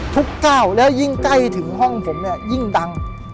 ก้าวแล้วยิ่งใกล้ถึงห้องผมเนี่ยยิ่งดัง